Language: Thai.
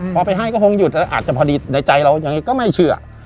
พอไปให้ก็คงหยุดอาจจะพอดีในใจเรายังไงก็ไม่เชื่อ